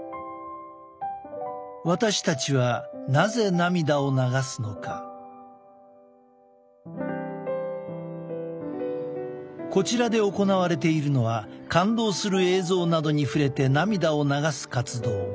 私たちはこちらで行われているのは感動する映像などに触れて涙を流す活動